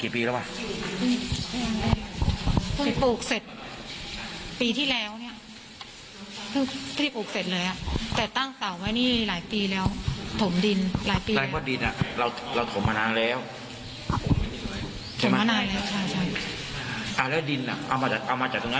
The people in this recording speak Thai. ที่หลัง